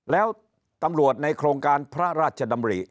แล้วตำรวจในโครงการพระราชดำริ